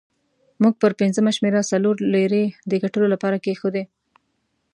موږ پر پنځمه شمېره سلو لیرې د ګټلو لپاره کېښودې.